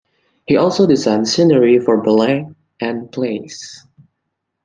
He also designed scenery for ballets and plays.